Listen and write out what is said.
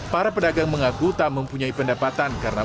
para pedagang mengaku tak mempunyai pendapatan